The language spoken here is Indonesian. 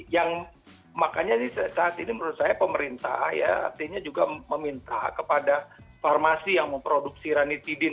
yang makanya saat ini menurut saya pemerintah ya artinya juga meminta kepada farmasi yang memproduksi ranitidin